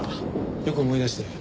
よく思い出して。